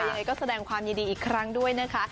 ยังไงก็แสดงความยินดีอีกครั้งด้วยนะคะ